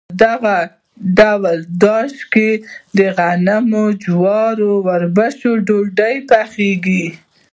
په دغه ډول داش کې د غنمو، جوارو او اوربشو ډوډۍ پخیږي.